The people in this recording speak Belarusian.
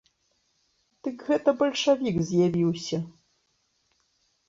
Дык гэта бальшавік з'явіўся!